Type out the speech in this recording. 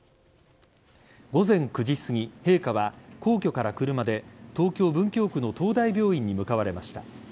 午前９時すぎ、陛下は皇居から車で東京・文京区の東大病院に向かわれました。